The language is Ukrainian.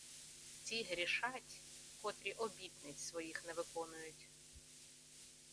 Ті грішать, котрі обітниць своїх не виконують.